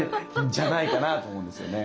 じゃないかなと思うんですよね。